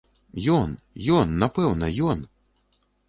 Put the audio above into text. Ён, ён, напэўна, ён!